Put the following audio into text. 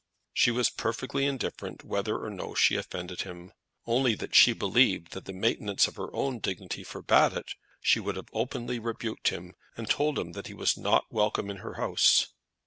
She was perfectly indifferent whether or no she offended him. Only that she had believed that the maintenance of her own dignity forbade it, she would have openly rebuked him, and told him that he was not welcome in her house.